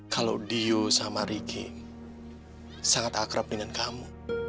kalau dio sama ricky sangat akrab dengan kamu